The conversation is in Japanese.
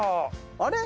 あれ？